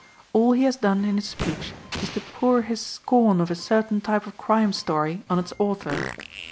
All he has done in his speech is to pour his scorn of a certain type of crime story on its author.